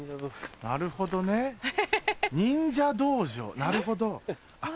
なるほどね忍者道場なるほど。